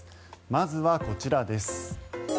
まずは、こちらです。